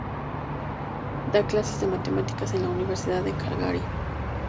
Da clases de matemáticas en la Universidad de Calgary.